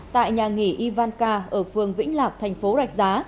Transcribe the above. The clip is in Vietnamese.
tại nhà nghỉ ivanka ở phường vĩnh lạc thành phố rạch giá